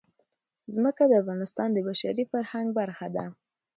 ځمکه د افغانستان د بشري فرهنګ برخه ده.